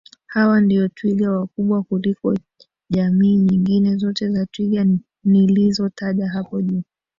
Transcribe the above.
Hawa ndio twiga wakubwa kuliko jamii nyingine zote za twiga nilizo taja hapo juu